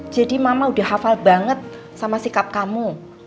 jadi mama udah hafal banget sama sikap kamu